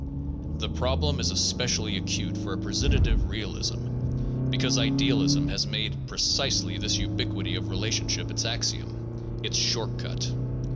The problem is especially acute for a presentative realism because idealism has made precisely this ubiquity of relationship its axiom, its short cut.